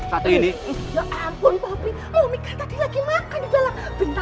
momi kan tadi lagi makan di dalam